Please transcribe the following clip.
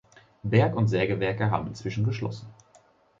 Berg- und Sägewerke haben inzwischen geschlossen.